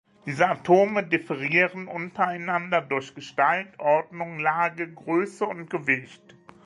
Diese Atome differieren untereinander durch Gestalt, Ordnung, Lage, Größe und Gewicht.